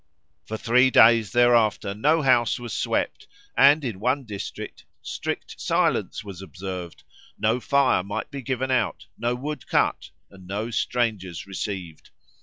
For three days thereafter no house was swept; and, in one district, strict silence was observed, no fire might be given out, no wood cut, and no strangers received.